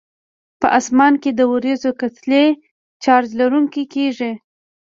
په اسمان کې د وریځو کتلې چارج لرونکي کیږي.